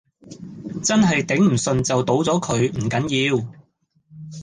真係頂唔順就倒咗佢，唔緊要